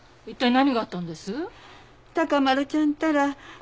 何！？